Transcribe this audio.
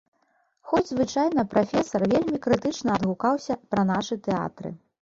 Хоць звычайна прафесар вельмі крытычна адгукаўся пра нашы тэатры.